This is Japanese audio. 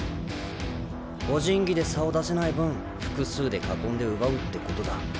個人技で差を出せない分複数で囲んで奪うってことだ。